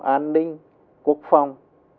an ninh quốc phòng